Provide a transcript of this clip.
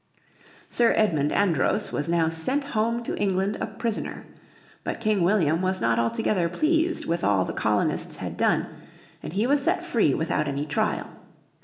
Sir Edmund Andros was now sent home to England a prisoner. But King William was not altogether pleased with all the colonists had done, and he was set free without any trial.